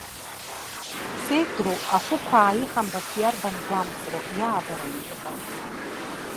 Сеидру, ахәықәаа иҳамбац иарбан гәамҵроу иаабараны иҟоу?!